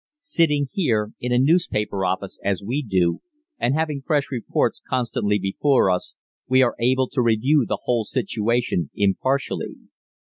"Sitting here, in a newspaper office, as we do, and having fresh reports constantly before us, we are able to review the whole situation impartially.